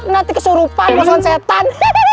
nanti kesurupan masukan setan